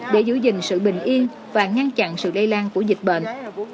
để giữ gìn sự bình yên và ngăn chặn sự lây lan của dịch bệnh